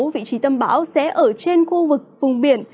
vị trí tâm bão sẽ ở trên khu vực vùng biển